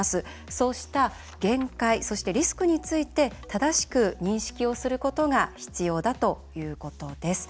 そうした限界そしてリスクについて正しく認識をすることが必要だということです。